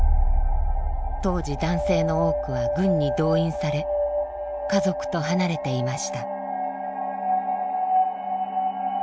当時男性の多くは軍に動員され家族と離れていました。